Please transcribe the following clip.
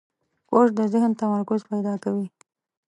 کورس د ذهن تمرکز پیدا کوي.